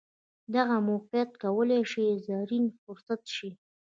دغه موقیعت کولای شي زرین فرصت شي.